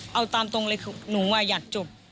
เอาตามตรงเลยคือหนูอยากจบ